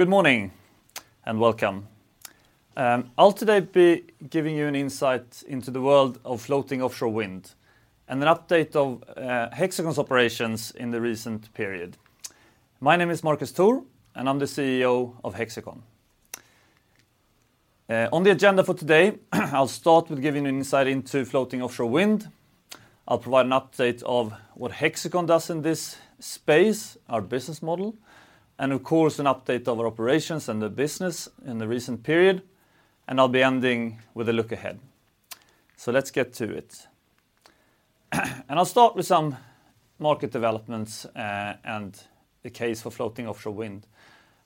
Good morning, and welcome. I'll today be giving you an insight into the world of floating offshore wind, and an update of Hexicon's operations in the recent period. My name is Marcus Thor, and I'm the CEO of Hexicon. On the agenda for today, I'll start with giving you an insight into floating offshore wind. I'll provide an update of what Hexicon does in this space, our business model, and of course, an update of our operations and the business in the recent period, and I'll be ending with a look ahead. So let's get to it. I'll start with some market developments, and the case for floating offshore wind.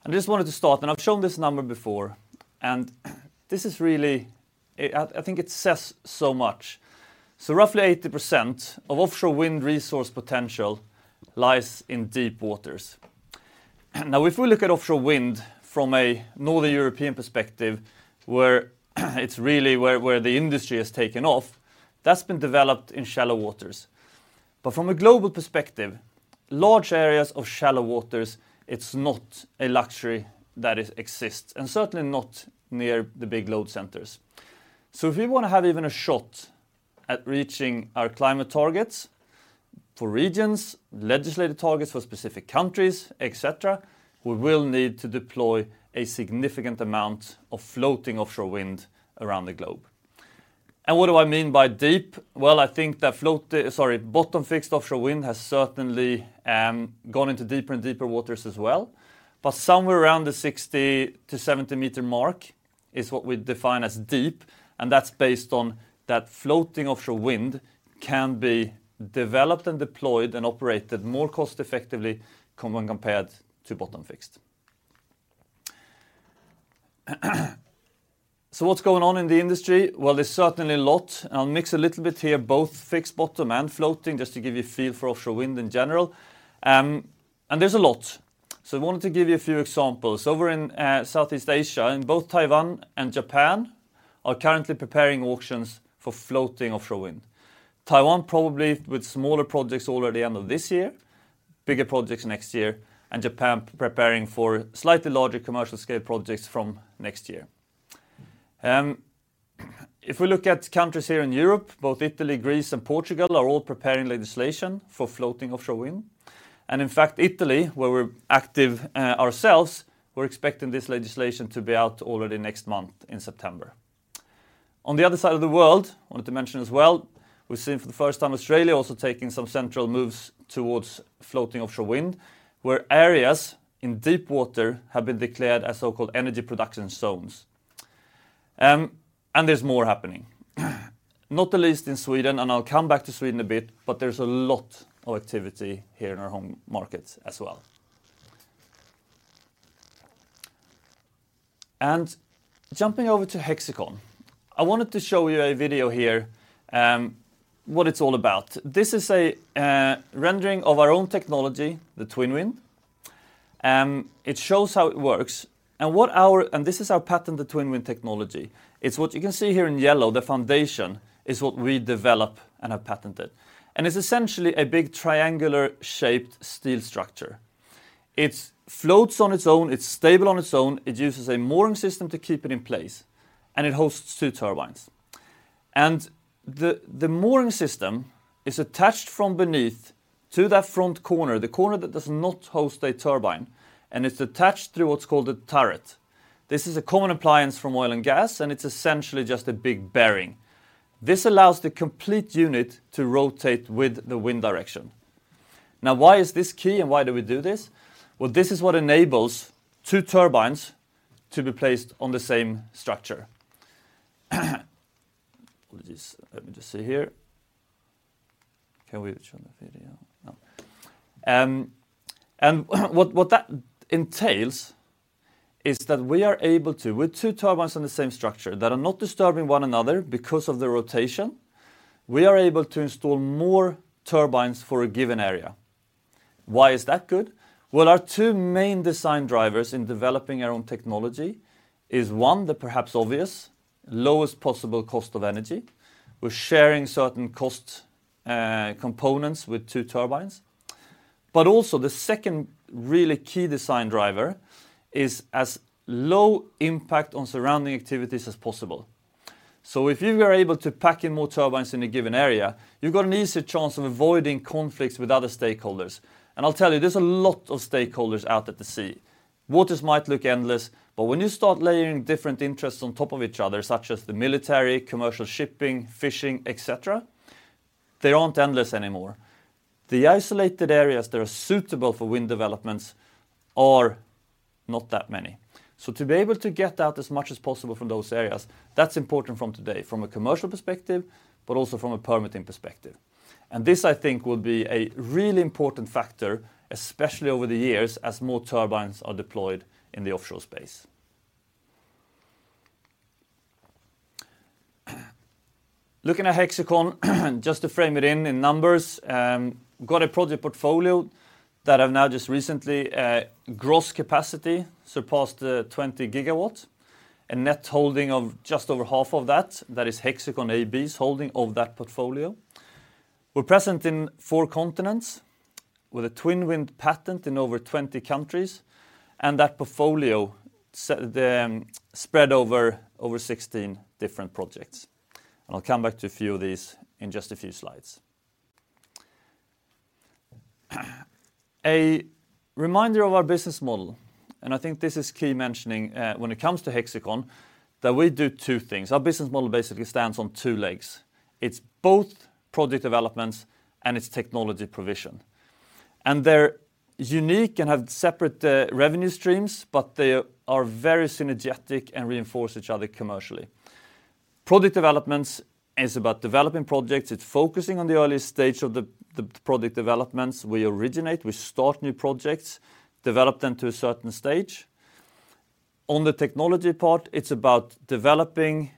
I just wanted to start, and I've shown this number before, and this is really, I think it says so much. So roughly 80% of offshore wind resource potential lies in deep waters. Now, if we look at offshore wind from a northern European perspective, where it's really where the industry has taken off, that's been developed in shallow waters. But from a global perspective, large areas of shallow waters, it's not a luxury that it exists, and certainly not near the big load centers. So if we wanna have even a shot at reaching our climate targets for regions, legislative targets for specific countries, et cetera, we will need to deploy a significant amount of floating offshore wind around the globe. And what do I mean by deep? Well, I think that float, sorry, bottom-fixed offshore wind has certainly gone into deeper and deeper waters as well, but somewhere around the 60-70-meter mark is what we define as deep, and that's based on that floating offshore wind can be developed and deployed, and operated more cost effectively when compared to bottom-fixed. So what's going on in the industry? Well, there's certainly a lot. I'll mix a little bit here, both fixed bottom and floating, just to give you a feel for offshore wind in general. There's a lot. So I wanted to give you a few examples. Over in Southeast Asia, both Taiwan and Japan are currently preparing auctions for floating offshore wind. Taiwan, probably with smaller projects already end of this year, bigger projects next year, and Japan preparing for slightly larger commercial scale projects from next year. If we look at countries here in Europe, both Italy, Greece, and Portugal are all preparing legislation for floating offshore wind. In fact, Italy, where we're active ourselves, we're expecting this legislation to be out already next month, in September. On the other side of the world, I wanted to mention as well, we've seen for the first time, Australia also taking some central moves towards floating offshore wind, where areas in deep water have been declared as so-called energy production zones. And there's more happening, not the least in Sweden, and I'll come back to Sweden in a bit, but there's a lot of activity here in our home market as well. Jumping over to Hexicon. I wanted to show you a video here, what it's all about. This is a rendering of our own technology, the TwinWind. It shows how it works, and this is our patented TwinWind technology. It's what you can see here in yellow, the foundation, is what we develop and have patented. It's essentially a big triangular-shaped steel structure. It floats on its own, it's stable on its own, it uses a mooring system to keep it in place, and it hosts two turbines. The mooring system is attached from beneath to that front corner, the corner that does not host a turbine, and it's attached through what's called a turret. This is a common appliance from oil and gas, and it's essentially just a big bearing. This allows the complete unit to rotate with the wind direction. Now, why is this key and why do we do this? Well, this is what enables two turbines to be placed on the same structure. Let me just see here. Can we show the video? No. And what that entails is that we are able to, with two turbines in the same structure that are not disturbing one another because of the rotation, we are able to install more turbines for a given area. Why is that good? Well, our two main design drivers in developing our own technology is, one, the perhaps obvious, lowest possible cost of energy. We're sharing certain cost components with two turbines. But also the second really key design driver is as low impact on surrounding activities as possible. So if you are able to pack in more turbines in a given area, you've got an easier chance of avoiding conflicts with other stakeholders. And I'll tell you, there's a lot of stakeholders out at the sea. Waters might look endless, but when you start layering different interests on top of each other, such as the military, commercial shipping, fishing, et cetera, they aren't endless anymore. The isolated areas that are suitable for wind developments are not that many. So to be able to get out as much as possible from those areas, that's important from today, from a commercial perspective, but also from a permitting perspective. And this, I think, will be a really important factor, especially over the years, as more turbines are deployed in the offshore space. Looking at Hexicon, just to frame it in numbers, we've got a project portfolio that have now just recently gross capacity surpassed 20 gigawatts, a net holding of just over half of that. That is Hexicon AB's holding of that portfolio. We're present in 4 continents with a TwinWind patent in over 20 countries, and that portfolio spread over, over 16 different projects. I'll come back to a few of these in just a few slides. A reminder of our business model, and I think this is key mentioning, when it comes to Hexicon, that we do two things. Our business model basically stands on two legs. It's both project developments and it's technology provision. They're unique and have separate revenue streams, but they are very synergetic and reinforce each other commercially. Project developments is about developing projects. It's focusing on the early stage of the project developments. We originate, we start new projects, develop them to a certain stage. On the technology part, it's about developing,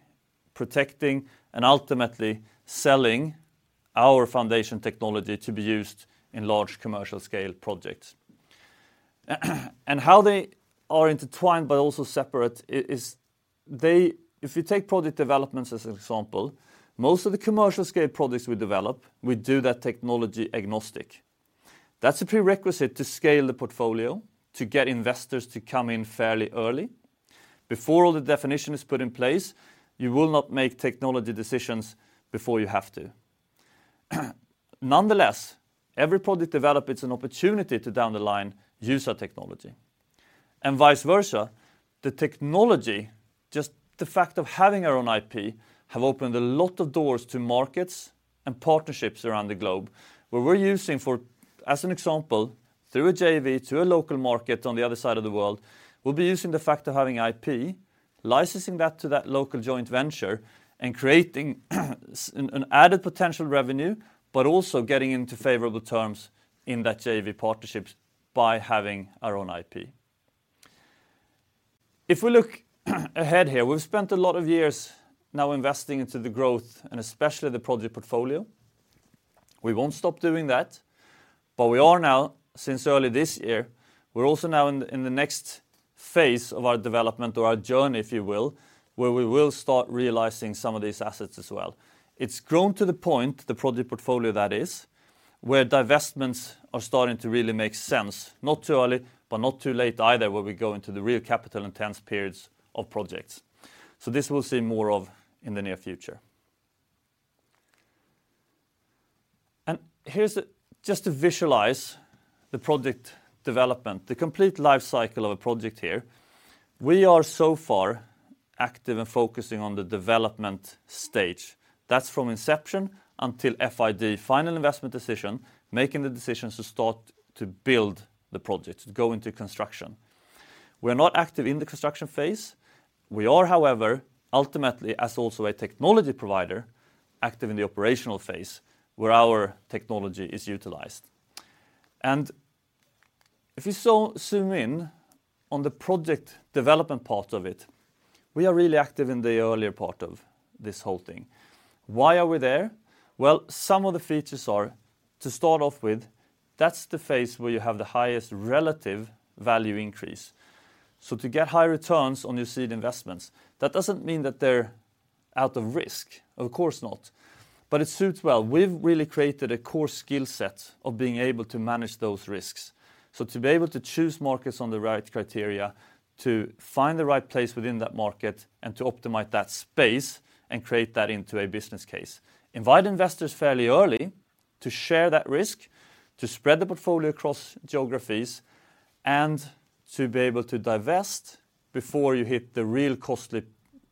protecting, and ultimately selling our foundation technology to be used in large commercial scale projects. How they are intertwined, but also separate, if you take project developments as an example, most of the commercial scale projects we develop, we do that technology agnostic. That's a prerequisite to scale the portfolio, to get investors to come in fairly early. Before all the definition is put in place, you will not make technology decisions before you have to. Nonetheless, every project developed, it's an opportunity to down the line, use our technology. And vice versa, the technology, just the fact of having our own IP, have opened a lot of doors to markets and partnerships around the globe, where we're using, for example, through a JV to a local market on the other side of the world, we'll be using the fact of having IP, licensing that to that local joint venture, and creating an added potential revenue, but also getting into favorable terms in that JV partnerships by having our own IP. If we look ahead here, we've spent a lot of years now investing into the growth and especially the project portfolio. We won't stop doing that, but we are now, since early this year, we're also now in the next phase of our development or our journey, if you will, where we will start realizing some of these assets as well. It's grown to the point, the project portfolio that is, where divestments are starting to really make sense. Not too early, but not too late either, where we go into the real capital intense periods of projects. So this we'll see more of in the near future. And here's just to visualize the project development, the complete life cycle of a project here, we are so far active in focusing on the development stage. That's from inception until FID, final investment decision, making the decisions to start to build the project, to go into construction. We're not active in the construction phase. We are, however, ultimately, as also a technology provider, active in the operational phase, where our technology is utilized. And if you so, zoom in on the project development part of it, we are really active in the earlier part of this whole thing. Why are we there? Well, some of the features are, to start off with, that's the phase where you have the highest relative value increase. So to get high returns on your seed investments, that doesn't mean that they're out of risk. Of course not. But it suits well. We've really created a core skill set of being able to manage those risks. So to be able to choose markets on the right criteria, to find the right place within that market, and to optimize that space, and create that into a business case. Invite investors fairly early to share that risk, to spread the portfolio across geographies, and to be able to divest before you hit the real costly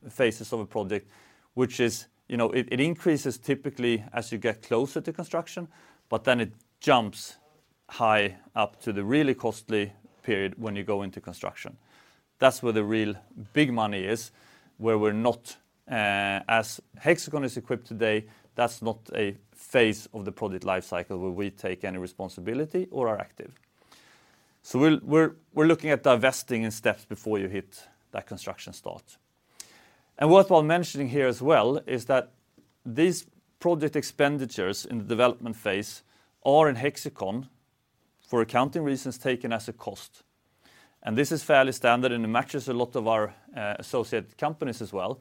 phases of a project, which is, you know, it increases typically as you get closer to construction, but then it jumps high up to the really costly period when you go into construction. That's where the real big money is, where we're not—as Hexicon is equipped today, that's not a phase of the project life cycle where we take any responsibility or are active. So we're looking at divesting in steps before you hit that construction start. Worthwhile mentioning here as well is that these project expenditures in the development phase are in Hexicon, for accounting reasons, taken as a cost. This is fairly standard, and it matches a lot of our associated companies as well.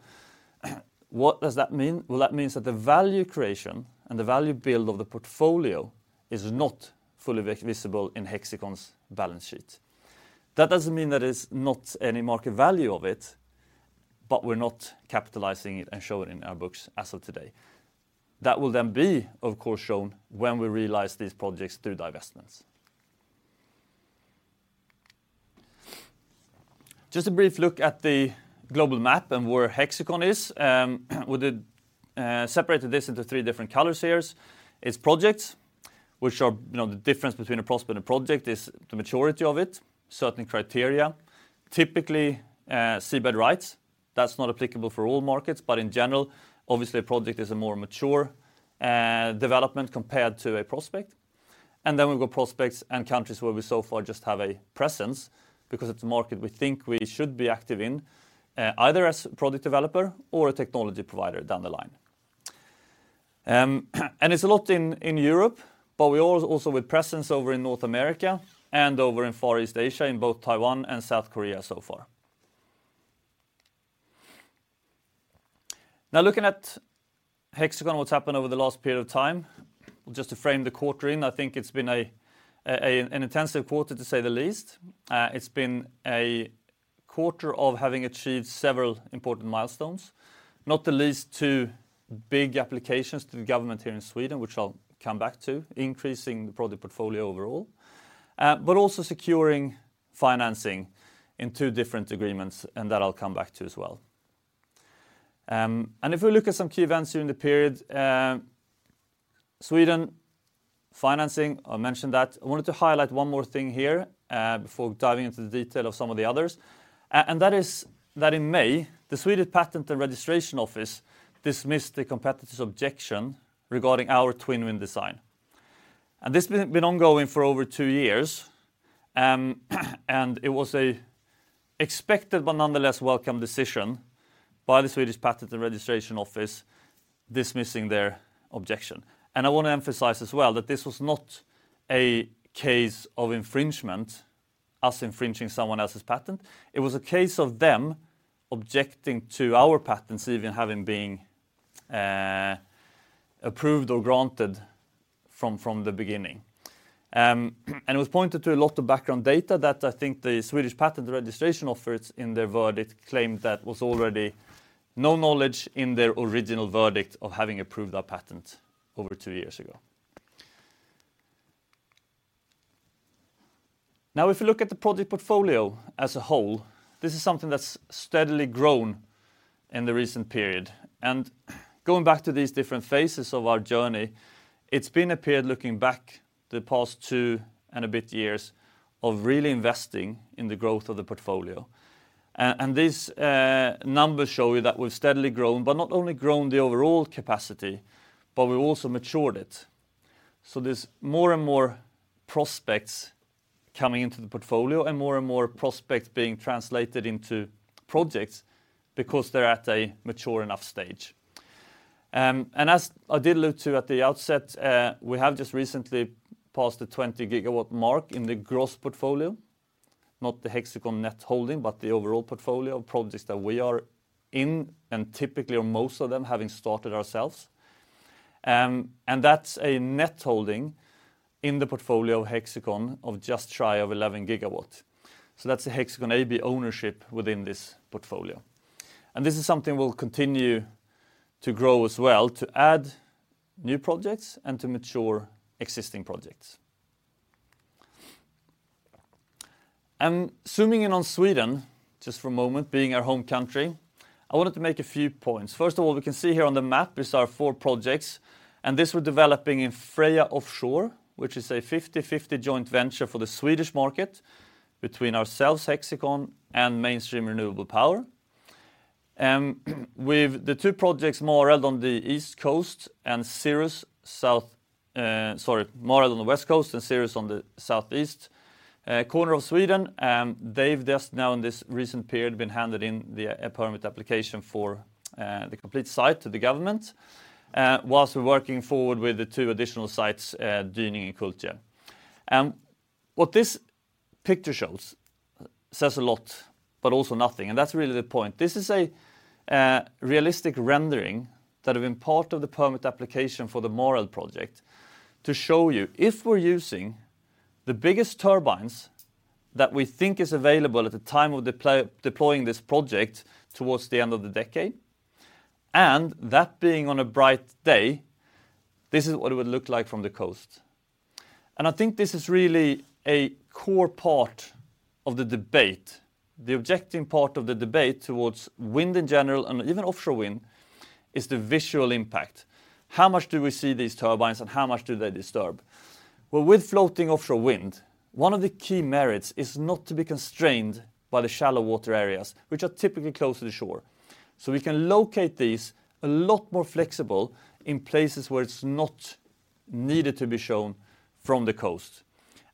What does that mean? Well, that means that the value creation and the value build of the portfolio is not fully visible in Hexicon's balance sheet. That doesn't mean that there's not any market value of it, but we're not capitalizing it and showing it in our books as of today. That will then be, of course, shown when we realize these projects through divestments. Just a brief look at the global map and where Hexicon is. We did separated this into three different color series. It's projects, which are, you know, the difference between a prospect and a project is the maturity of it, certain criteria, typically, seabed rights. That's not applicable for all markets, but in general, obviously, a project is a more mature development compared to a prospect. And then we've got prospects and countries where we so far just have a presence, because it's a market we think we should be active in, either as a project developer or a technology provider down the line. And it's a lot in Europe, but we also have presence over in North America and over in Far East Asia, in both Taiwan and South Korea so far.... Now, looking at Hexicon, what's happened over the last period of time, just to frame the quarter, I think it's been an intensive quarter, to say the least. It's been a quarter of having achieved several important milestones, not the least, two big applications to the government here in Sweden, which I'll come back to, increasing the project portfolio overall, but also securing financing in two different agreements, and that I'll come back to as well. And if we look at some key events during the period, Sweden financing, I mentioned that. I wanted to highlight one more thing here, before diving into the detail of some of the others. And that is that in May, the Swedish Patent and Registration Office dismissed the competitor's objection regarding our TwinWind design. And this has been ongoing for over two years, and it was an expected, but nonetheless welcome decision by the Swedish Patent and Registration Office, dismissing their objection. I want to emphasize as well that this was not a case of infringement, us infringing someone else's patent. It was a case of them objecting to our patents, even having been approved or granted from the beginning. And it was pointed to a lot of background data that I think the Swedish Patent and Registration Office, in their verdict, claimed that was already no knowledge in their original verdict of having approved our patent over two years ago. Now, if you look at the project portfolio as a whole, this is something that's steadily grown in the recent period. And going back to these different phases of our journey, it's been a period, looking back the past two and a bit years, of really investing in the growth of the portfolio. These numbers show you that we've steadily grown, but not only grown the overall capacity, but we've also matured it. So there's more and more prospects coming into the portfolio and more and more prospects being translated into projects because they're at a mature enough stage. As I did allude to at the outset, we have just recently passed the 20 GW mark in the gross portfolio, not the Hexicon net holding, but the overall portfolio of projects that we are in, and typically, or most of them, having started ourselves. That's a net holding in the portfolio of Hexicon of just shy of 11 GW. So that's a Hexicon AB ownership within this portfolio. This is something we'll continue to grow as well, to add new projects and to mature existing projects. Zooming in on Sweden, just for a moment, being our home country, I wanted to make a few points. First of all, we can see here on the map, this is our four projects, and this we're developing in Freja Offshore, which is a 50/50 joint venture for the Swedish market between ourselves, Hexicon, and Mainstream Renewable Power. With the two projects, Mareld on the East Coast and Cirrus, South, sorry, Mareld on the West Coast and Cirrus on the southeast corner of Sweden, they've just now, in this recent period, been handed in the permit application for the complete site to the government, whilst we're working forward with the two additional sites, Dyning and Kultje. What this picture shows says a lot, but also nothing, and that's really the point. This is a realistic rendering that have been part of the permit application for the Mareld project to show you if we're using the biggest turbines that we think is available at the time of deploying this project towards the end of the decade, and that being on a bright day, this is what it would look like from the coast. I think this is really a core part of the debate. The objecting part of the debate towards wind in general, and even offshore wind, is the visual impact. How much do we see these turbines, and how much do they disturb? Well, with floating offshore wind, one of the key merits is not to be constrained by the shallow water areas, which are typically close to the shore. So we can locate these a lot more flexible in places where it's not needed to be shown from the coast.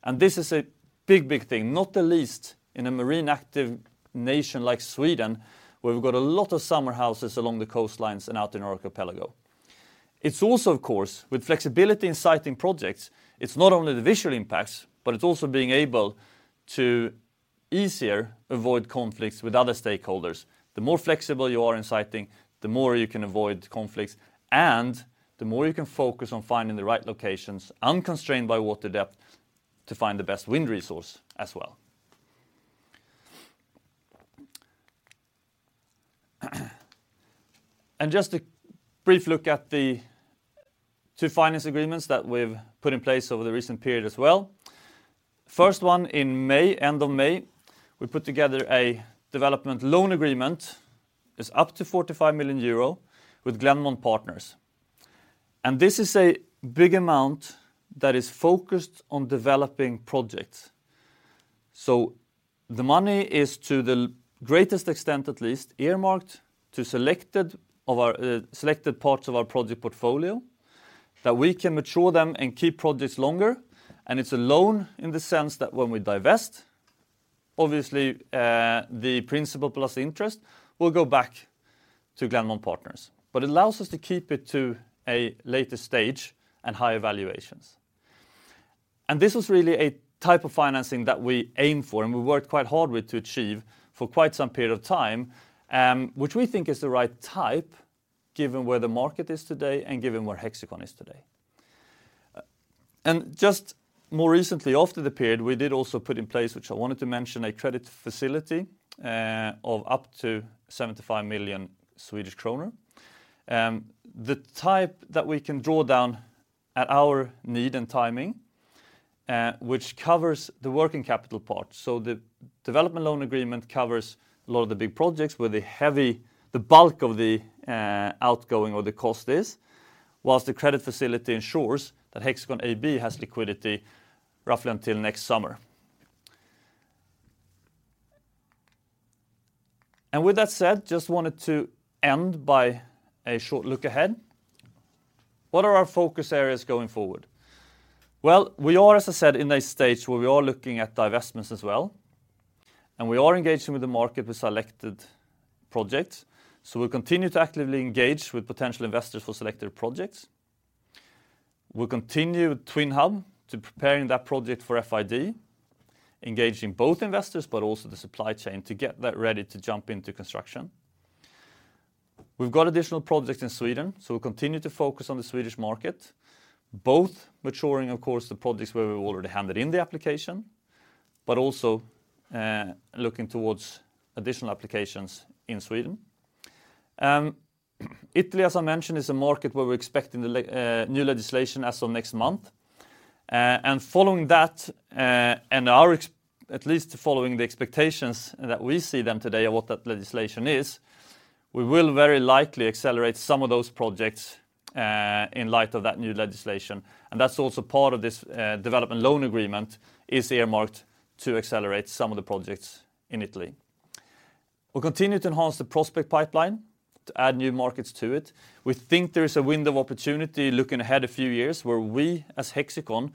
And this is a big, big thing, not least in a marine active nation like Sweden, where we've got a lot of summer houses along the coastlines and out in archipelago. It's also, of course, with flexibility in siting projects; it's not only the visual impacts, but it's also being able to easier avoid conflicts with other stakeholders. The more flexible you are in siting, the more you can avoid conflicts, and the more you can focus on finding the right locations, unconstrained by water depth, to find the best wind resource as well. And just a brief look at the two finance agreements that we've put in place over the recent period as well. First one in May, end of May, we put together a development loan agreement. It's up to 45 million euro with Glennmont Partners. This is a big amount that is focused on developing projects. So the money is, to the greatest extent, at least, earmarked to selected of our, selected parts of our project portfolio, that we can mature them and keep projects longer. It's a loan in the sense that when we divest, obviously, the principal plus interest will go back to Glennmont Partners, but it allows us to keep it to a later stage and higher valuations.... This was really a type of financing that we aim for, and we worked quite hard with to achieve for quite some period of time, which we think is the right type, given where the market is today and given where Hexicon is today. And just more recently, after the period, we did also put in place, which I wanted to mention, a credit facility of up to 75 million Swedish kronor. The type that we can draw down at our need and timing, which covers the working capital part. So the development loan agreement covers a lot of the big projects where the bulk of the outgoing or the cost is, while the credit facility ensures that Hexicon AB has liquidity roughly until next summer. And with that said, just wanted to end by a short look ahead. What are our focus areas going forward? Well, we are, as I said, in a stage where we are looking at divestments as well, and we are engaging with the market with selected projects. So we'll continue to actively engage with potential investors for selected projects. We'll continue TwinHub to preparing that project for FID, engaging both investors, but also the supply chain, to get that ready to jump into construction. We've got additional projects in Sweden, so we'll continue to focus on the Swedish market, both maturing, of course, the projects where we've already handed in the application, but also looking towards additional applications in Sweden. Italy, as I mentioned, is a market where we're expecting the new legislation as of next month. And following that, and at least following the expectations that we see them today of what that legislation is, we will very likely accelerate some of those projects in light of that new legislation. And that's also part of this development loan agreement, is earmarked to accelerate some of the projects in Italy. We'll continue to enhance the prospect pipeline to add new markets to it. We think there is a window of opportunity, looking ahead a few years, where we, as Hexicon,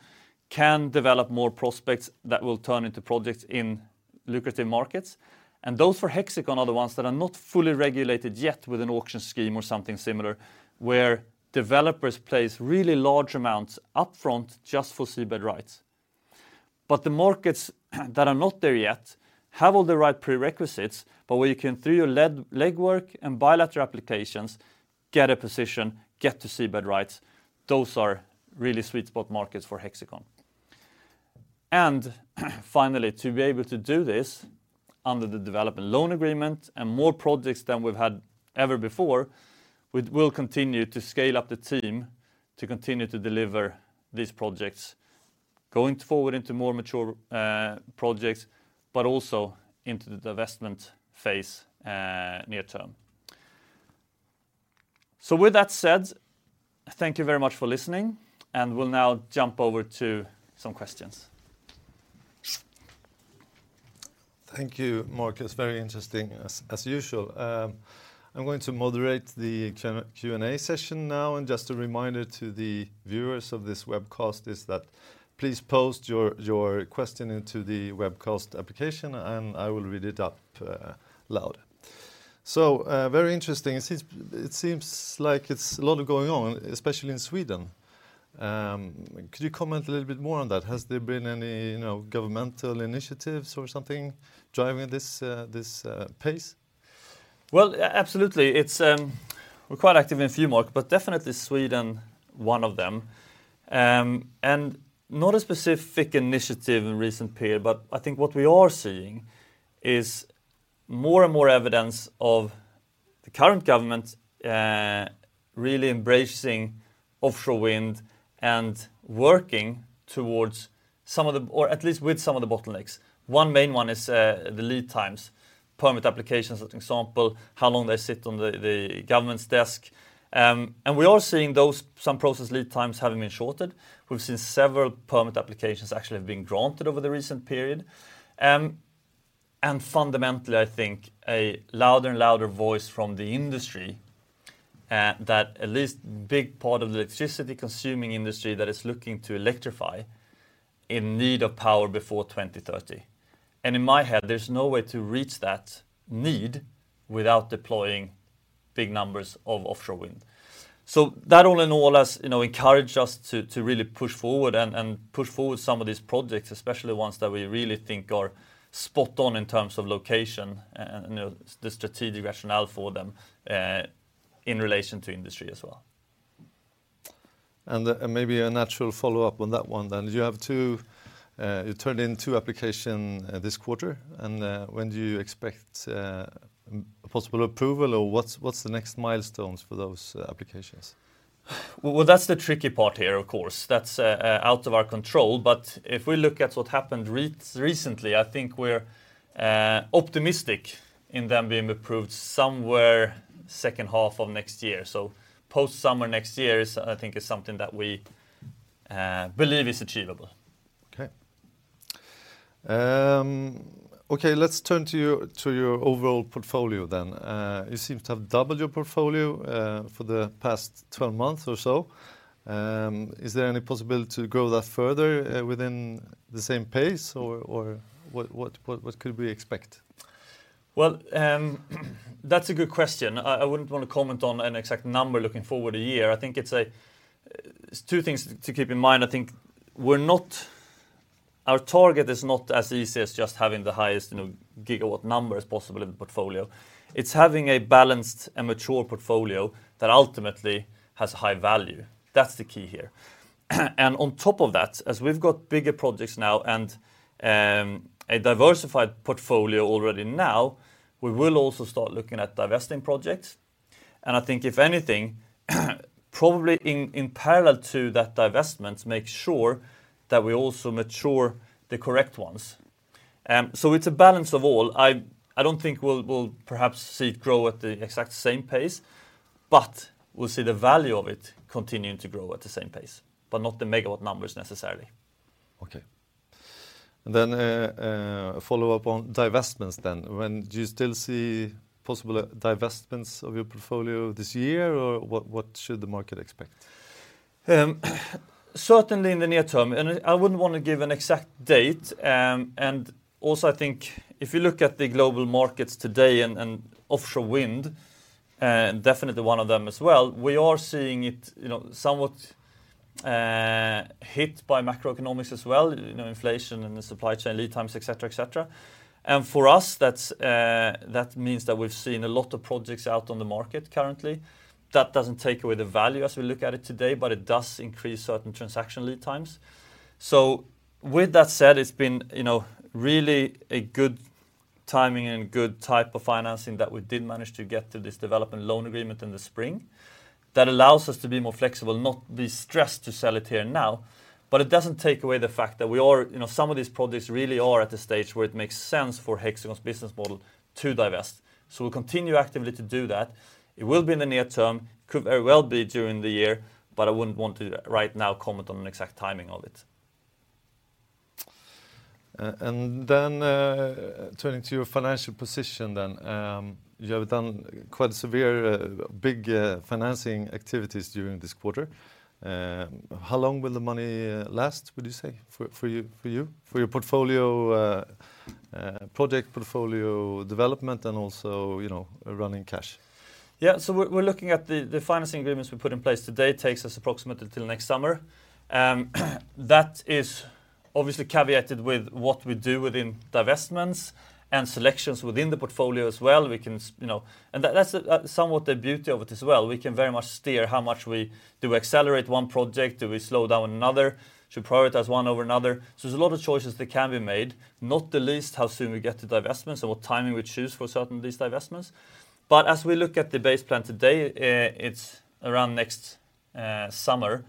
can develop more prospects that will turn into projects in lucrative markets. And those for Hexicon are the ones that are not fully regulated yet with an auction scheme or something similar, where developers place really large amounts upfront just for seabed rights. But the markets that are not there yet have all the right prerequisites, but where you can, through your legwork and bilateral applications, get a position, get to seabed rights, those are really sweet spot markets for Hexicon. And, finally, to be able to do this, under the development loan agreement and more projects than we've had ever before, we will continue to scale up the team to continue to deliver these projects, going forward into more mature projects, but also into the divestment phase, near term. So with that said, thank you very much for listening, and we'll now jump over to some questions. Thank you, Mark. It's very interesting, as usual. I'm going to moderate the Q&A session now, and just a reminder to the viewers of this webcast, is that please post your question into the webcast application, and I will read it aloud. So, very interesting. It seems like it's a lot going on, especially in Sweden. Could you comment a little bit more on that? Has there been any, you know, governmental initiatives or something driving this pace? Well, absolutely. It's... We're quite active in a few markets, but definitely Sweden, one of them. And not a specific initiative in recent period, but I think what we are seeing is more and more evidence of the current government really embracing offshore wind and working towards some of the, or at least with some of the bottlenecks. One main one is the lead times, permit applications, for example, how long they sit on the government's desk. And we are seeing those, some process lead times having been shortened. We've seen several permit applications actually have been granted over the recent period. And fundamentally, I think a louder and louder voice from the industry that at least big part of the electricity-consuming industry that is looking to electrify, in need of power before 2030. In my head, there's no way to reach that need without deploying big numbers of offshore wind. So that all in all has, you know, encouraged us to really push forward and push forward some of these projects, especially ones that we really think are spot on in terms of location and, you know, the strategic rationale for them in relation to industry as well. Maybe a natural follow-up on that one, then. Do you have two, you turned in two applications this quarter, and when do you expect possible approval, or what's the next milestones for those applications? Well, that's the tricky part here, of course. That's out of our control, but if we look at what happened recently, I think we're optimistic in them being approved somewhere second half of next year. So post-summer next year is, I think, something that we believe is achievable. Okay. Okay, let's turn to your overall portfolio then. You seem to have doubled your portfolio for the past 12 months or so. Is there any possibility to grow that further within the same pace or what could we expect?... Well, that's a good question. I, I wouldn't want to comment on an exact number looking forward a year. I think it's two things to keep in mind. I think our target is not as easy as just having the highest, you know, gigawatt number as possible in the portfolio. It's having a balanced and mature portfolio that ultimately has high value. That's the key here. And on top of that, as we've got bigger projects now and a diversified portfolio already now, we will also start looking at divesting projects. And I think if anything, probably in parallel to that divestment, make sure that we also mature the correct ones. So it's a balance of all. I don't think we'll perhaps see it grow at the exact same pace, but we'll see the value of it continuing to grow at the same pace, but not the megawatt numbers necessarily. Okay. And then, follow up on divestments then. When do you still see possible divestments of your portfolio this year, or what should the market expect? Certainly in the near term, and I wouldn't want to give an exact date. Also I think if you look at the global markets today and offshore wind, and definitely one of them as well, we are seeing it, you know, somewhat hit by macroeconomics as well, you know, inflation and the supply chain, lead times, et cetera, et cetera. For us, that means that we've seen a lot of projects out on the market currently. That doesn't take away the value as we look at it today, but it does increase certain transaction lead times. So with that said, it's been, you know, really a good timing and good type of financing that we did manage to get to this development loan agreement in the spring. That allows us to be more flexible, not be stressed to sell it here now, but it doesn't take away the fact that we are... You know, some of these projects really are at the stage where it makes sense for Hexicon's business model to divest. So we'll continue actively to do that. It will be in the near term, could very well be during the year, but I wouldn't want to right now comment on an exact timing of it. And then, turning to your financial position then. You have done quite severe, big, financing activities during this quarter. How long will the money last, would you say, for, for you, for you? For your portfolio, project portfolio development and also, you know, running cash? Yeah. So we're looking at the financing agreements we put in place today takes us approximately till next summer. That is obviously caveated with what we do within divestments and selections within the portfolio as well. We can, you know... And that's somewhat the beauty of it as well. We can very much steer how much we- do we accelerate one project? Do we slow down another? Should prioritize one over another? So there's a lot of choices that can be made, not the least, how soon we get to divestments and what timing we choose for certain of these divestments. But as we look at the base plan today, it's around next summer,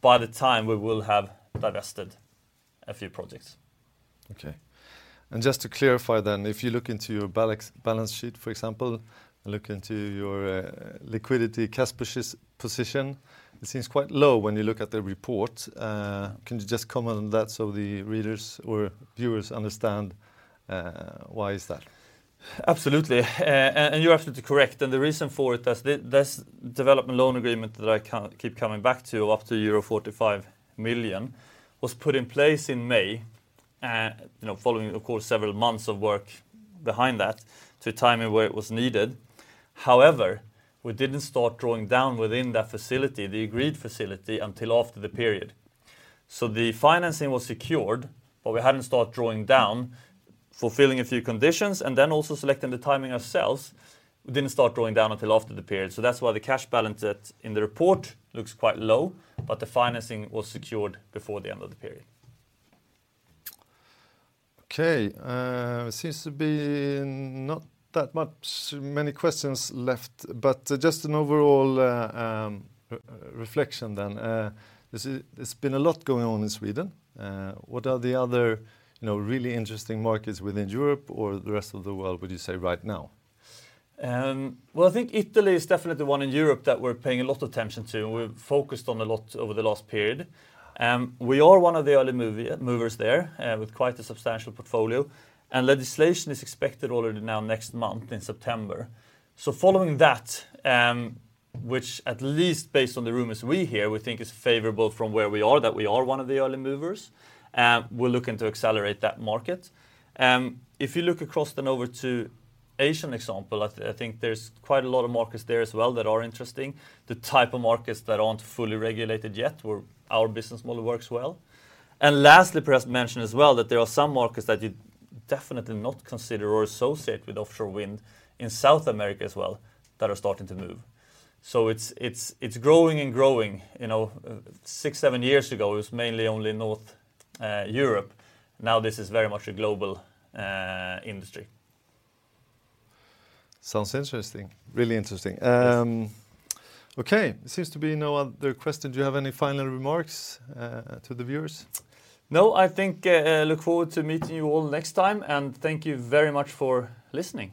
by the time we will have divested a few projects. Okay. And just to clarify then, if you look into your balance sheet, for example, and look into your liquidity, cash position, it seems quite low when you look at the report. Can you just comment on that so the readers or viewers understand why is that? Absolutely. And you're absolutely correct, and the reason for it, that this development loan agreement that I keep coming back to, up to euro 45 million, was put in place in May, you know, following, of course, several months of work behind that, to timing where it was needed. However, we didn't start drawing down within that facility, the agreed facility, until after the period. So the financing was secured, but we hadn't start drawing down, fulfilling a few conditions, and then also selecting the timing of sales. We didn't start drawing down until after the period, so that's why the cash balance in the report looks quite low, but the financing was secured before the end of the period. Okay. It seems to be not that much, many questions left, but just an overall reflection then. There's been a lot going on in Sweden. What are the other, you know, really interesting markets within Europe or the rest of the world, would you say right now? Well, I think Italy is definitely the one in Europe that we're paying a lot of attention to, and we've focused on a lot over the last period. We are one of the early movers there, with quite a substantial portfolio, and legislation is expected already now next month, in September. So following that, which at least based on the rumors we hear, we think is favorable from where we are, that we are one of the early movers, we're looking to accelerate that market. If you look across then over to Asian example, I think there's quite a lot of markets there as well that are interesting. The type of markets that aren't fully regulated yet, where our business model works well. Lastly, perhaps mention as well, that there are some markets that you'd definitely not consider or associate with offshore wind in South America as well, that are starting to move. So it's growing and growing. You know, 6, 7 years ago, it was mainly only North Europe. Now, this is very much a global industry. Sounds interesting. Really interesting. Yes. Okay, there seems to be no other question. Do you have any final remarks, to the viewers? No, I think, I look forward to meeting you all next time, and thank you very much for listening.